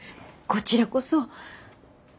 こちらこそ。